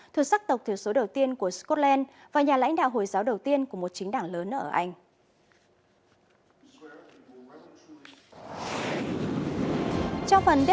thuộc sắc tộc thiểu số đầu tiên của scotland và nhà lãnh đạo hồi giáo đầu tiên của một chính đảng lớn ở anh